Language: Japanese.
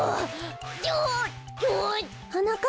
はなかっ